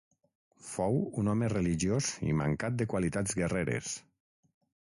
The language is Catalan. Fou un home religiós i mancat de qualitats guerreres.